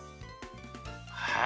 はい。